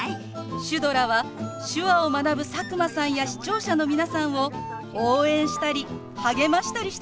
シュドラは手話を学ぶ佐久間さんや視聴者の皆さんを応援したり励ましたりしてくれるんですよ。